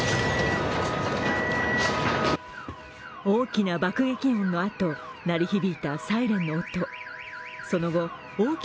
大きな爆撃音のあと鳴り響いたサイレンの音。